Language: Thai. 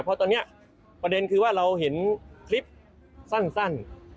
เพราะตอนนี้ประเด็นคือว่าเราเห็นคลิปสั้น